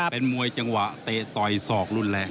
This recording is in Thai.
เป็นมวยจังหวะเตะต่อยศอกรุนแรง